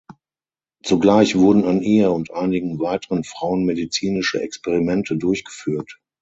Zugleich wurden an ihr und einigen weiteren Frauen medizinische Experimente durchgeführt.